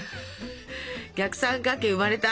逆三角形生まれた？